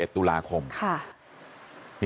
๑ตุลาคม